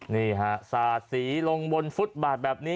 นี่ฮะสาดสีลงบนฟุตบาทแบบนี้